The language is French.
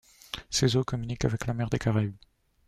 Ses eaux communiquent avec la mer des Caraïbes.